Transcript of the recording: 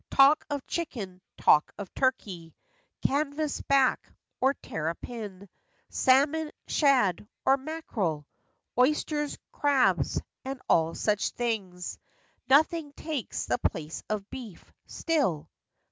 Talk of chicken ; talk of turkey; Canvas back or tarrapin; Salmon, shad, or mackerel; Oysters, crabs, and all such things: Nothing takes the place of beef, still.